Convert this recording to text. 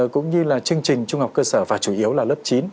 cũng như là chương trình trung học cơ sở và chủ yếu là lớp chín